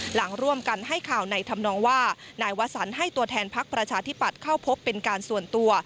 หลังร่วมกันให้ข่าวในธรรมนองว่านายวสันให้ตัวแทนพักประชาธิปัตย์เข้าพบเป็นการส่วนตัว